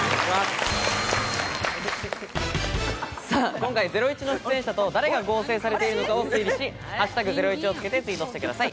今回『ゼロイチ』の出演者と、誰が合成されているのかを推理し、「＃ゼロイチ」をつけてツイートしてください。